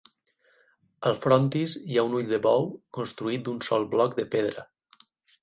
Al frontis hi ha un ull de bou, construït d'un sol bloc de pedra.